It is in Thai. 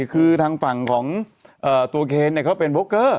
คือทางฝั่งของตัวเคนเขาเป็นโบเกอร์